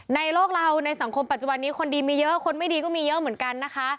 ในโลกเราในสังคมปัจจุบันนี้คนดีมีเยอะคนไม่ดีก็มีเยอะเหมือนกันนะคะ